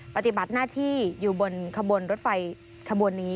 ปฏิบัติหน้าที่อยู่บนขบวนรถไฟขบวนนี้